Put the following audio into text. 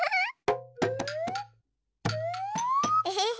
エヘヘ。